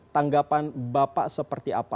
tanggapan bapak seperti apa